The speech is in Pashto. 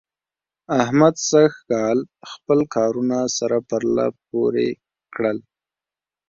احمد سږکال خپل کارونه سره پرله پورې کړل.